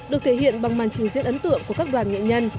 được thể hiện bằng màn trình diễn ấn tượng của các đoàn nghệ nhân